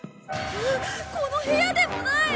この部屋でもない！